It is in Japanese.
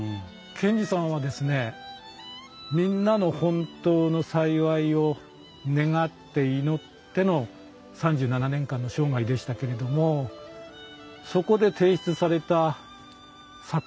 賢治さんはみんなの本当の幸いを願って祈っての３７年間の生涯でしたけれどもそこで提出された作品生き方はですね